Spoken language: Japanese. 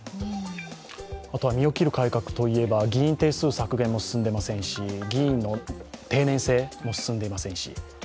あとは身を切る改革といえば議員定数削減も進んでいませんし、議員の定年制も進んでいませんし。